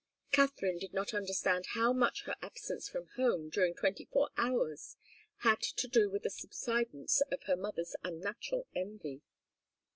Katharine did not understand how much her absence from home during twenty four hours had to do with the subsidence of her mother's unnatural envy.